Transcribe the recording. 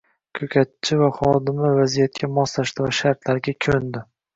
Ko‘katchi va xodima vaziyatga moslashdi va shartlarga ko‘ndi.